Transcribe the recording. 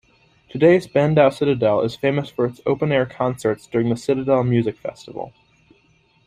Today, Spandau Citadel is famous for its open-air concerts during the Citadel Music Festival.